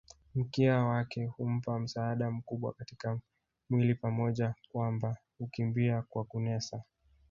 Mkia wake hummpa msaada mkubwa katika mwili pamoja kwamba hukimbia kwa kunesa